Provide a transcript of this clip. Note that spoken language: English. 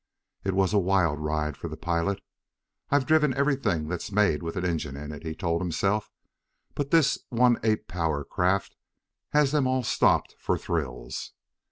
It was a wild ride for the pilot. "I've driven everything that's made with an engine in it," he told himself, "but this one ape power craft has them all stopped for thrills."